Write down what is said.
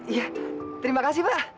iya terima kasih pak